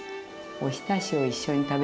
おひたしを一緒に食べる。